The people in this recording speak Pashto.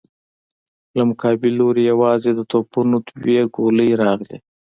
له مقابل لورې يواځې د توپونو دوې ګولۍ راغلې.